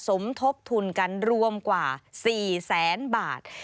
สมทบทุนกันรวมกว่า๔แสนบาท